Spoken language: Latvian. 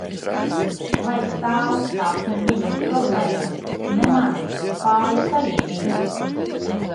Lai stāv, tās ir viņas problēmas, ne manas, kājas arī viņas.